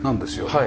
はい。